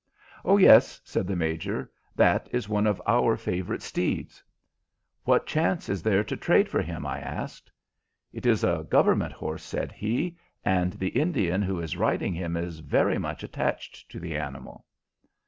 "Oh yes," said the Major; "that is one of our favorite steeds." "What chance is there to trade for him?" I asked. "It is a government horse," said he, "and the Indian who is riding him is very much attached to the animal."